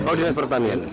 oh di dinas pertanian